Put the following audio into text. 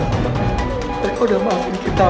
mereka sudah maafin kita